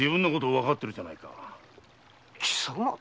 貴様